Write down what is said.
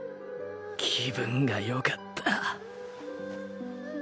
気分が良かった